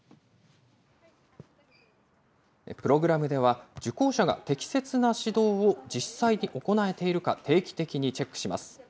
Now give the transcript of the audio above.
プログラムでは、受講者が適切な指導を実際に行えているか、定期的にチェックします。